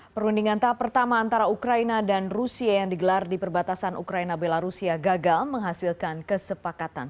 perundingan tahap pertama antara ukraina dan rusia yang digelar di perbatasan ukraina belarusia gagal menghasilkan kesepakatan